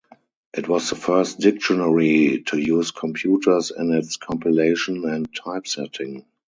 It was the first dictionary to use computers in its compilation and typesetting.